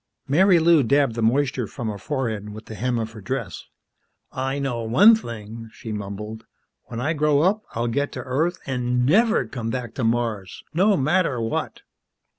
Marilou dabbed the moisture from her forehead with the hem of her dress. "I know one thing," she mumbled. "When I grow up, I'll get to Earth an' never come back to Mars, no matter what!"